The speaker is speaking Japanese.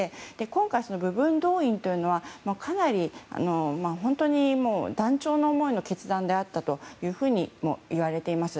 今回、部分動員というのはかなり断腸の思いの決断であったともいわれています。